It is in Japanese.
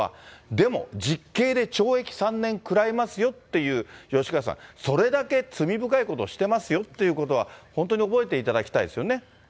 でも、実刑で懲役３年食らいますよっていう、吉川さん、それだけ罪深いことをしてますよっていうことは、本当に覚えていただきたいですよね。